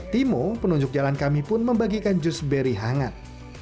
timo penunjuk jalan kami pun membagikan jus beri hangat